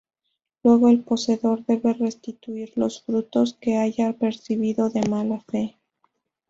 Luego, el poseedor debe restituir los frutos que haya percibido de mala fe.